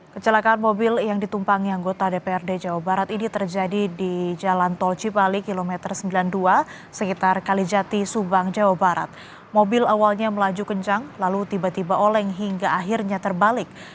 dua korban yang ditumpangi anggota dprd jawa barat ernie sugianti mengalami kecelakaan di ruas tol cipali